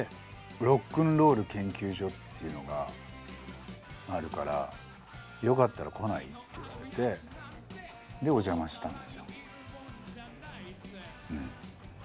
「ロックンロール研究所というのがあるからよかったら来ない？」って言われてでお邪魔したんですよ。